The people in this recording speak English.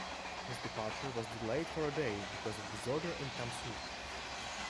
His departure was delayed for a day because of disorder in Tamsui.